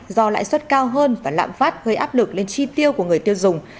do lãi suất cao hơn và lạm phát gây áp lực lên chi tiêu của người tiêu dùng